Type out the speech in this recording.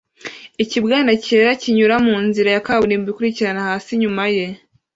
Ikibwana cyera kinyura munzira ya kaburimbo ikurikirana hasi inyuma ye